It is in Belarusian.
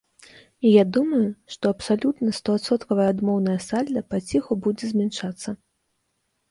І я думаю, што абсалютна стоадсоткава адмоўнае сальда паціху будзе змяншацца.